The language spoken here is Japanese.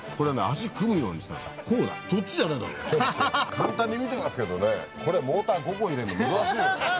簡単に見てますけどねこれモーター５個入れるの難しいのよ。